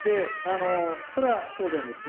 それは当然ですね。